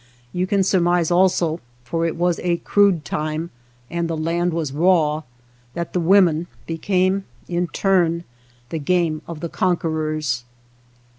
You can surmise also, for it was a crude time and the land was raw, that the women became in turn the game of the conquerors.